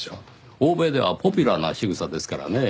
欧米ではポピュラーなしぐさですからねぇ。